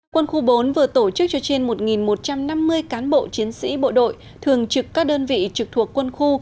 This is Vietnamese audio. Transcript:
quân khu bốn vừa tổ chức cho trên một một trăm năm mươi cán bộ chiến sĩ bộ đội thường trực các đơn vị trực thuộc quân khu